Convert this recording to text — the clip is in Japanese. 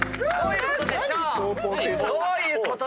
どういうこと？